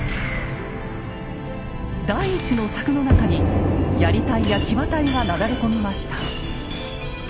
第１の柵の中にやり隊や騎馬隊がなだれ込みました。